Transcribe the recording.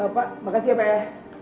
pak makasih ya pak ya